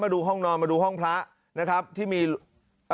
ดูห้องนอนมาดูห้องพระนะครับที่มีอ่า